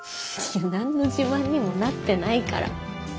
何の自慢にもなってないから。